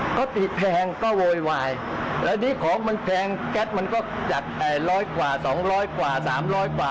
เขาติดแพงก็โวยวายแล้วนี่ของมันแพงแก๊สมันก็จาก๘๐๐กว่า๒๐๐กว่า๓๐๐กว่า